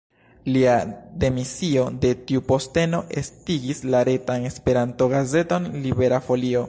Lia demisio de tiu posteno estigis la retan Esperanto-gazeton Libera Folio.